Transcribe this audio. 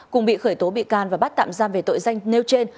cùng bị khởi tố bị can và bắt tạm giam về tội danh nêu trên